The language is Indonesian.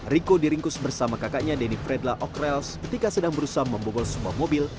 riko diringkus bersama kakaknya denny fredla okrels ketika sedang berusaha membobol sebuah mobil